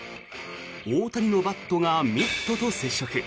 大谷のバットがミットと接触。